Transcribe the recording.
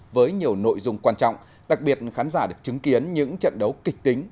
với nhiều nội dung quan trọng đặc biệt khán giả được chứng kiến những trận đấu kịch tính